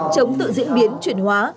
chống tự diễn biến chuyển hóa